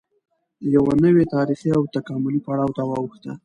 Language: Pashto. یوه نوې تارېخي او تکاملي پړاو ته واوښته